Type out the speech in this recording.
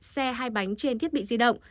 xe hai bánh trên thiết bị di động